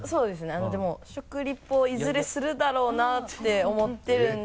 あのでも食リポいずれするだろうなって思ってるんで。